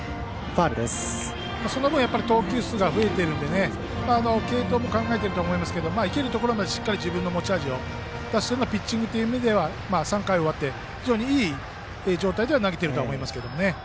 その分、投球数が増えているので継投も考えていると思いますが行けるところまでしっかりと自分の持ち味を出すピッチングという意味では３回が終わって非常にいい状態で投げていると思います。